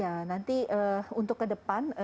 ya nanti untuk ke depan